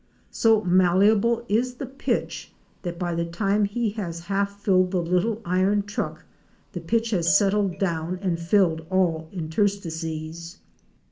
So malleable is the pitch that by the time he has half filled the little iron truck the pitch has settled down and filled all interstices.